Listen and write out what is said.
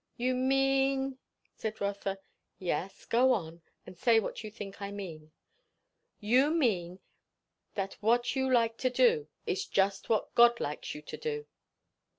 "You mean " said Rotha. "Yes, go on, and say what you think I mean." "You mean, that what you like to do, is just what God likes you to do."